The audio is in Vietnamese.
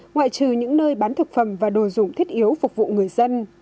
ngoại trừ những nơi bán thực phẩm và đồ dùng thiết yếu phục vụ người dân